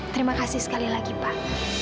terima kasih sekali lagi pak